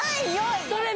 それ。